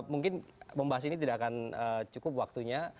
mungkin membahas ini tidak akan cukup waktunya